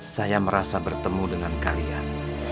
saya merasa bertemu dengan kalian